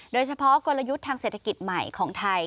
โดยเฉพาะกลยุทธ์ทางเศรษฐกิจใหม่ของไทย